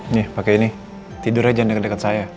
nih pake ini tidur aja jangan deket deket saya